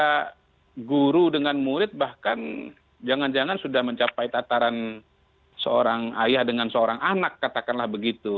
karena guru dengan murid bahkan jangan jangan sudah mencapai tataran seorang ayah dengan seorang anak katakanlah begitu